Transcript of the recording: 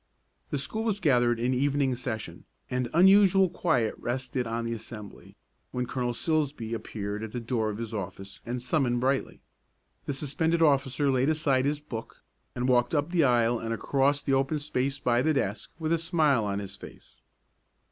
The school was gathered in evening session, and unusual quiet rested on the assembly, when Colonel Silsbee appeared at the door of his office and summoned Brightly. The suspended officer laid aside his book, and walked up the aisle and across the open space by the desk with a smile on his face.